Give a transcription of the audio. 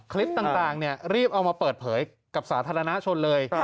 คลิปต่างรีบเอามาเปิดเผยกับสาธารณชนเลย